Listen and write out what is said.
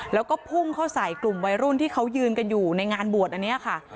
แล้วก็พุ่งเข้าใส่กลุ่มวัยรุ่นที่เขายืนกันอยู่ในงานบวชอันนี้ค่ะ